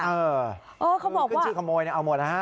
เออเขาบอกขึ้นชื่อขโมยเนี่ยเอาหมดนะฮะ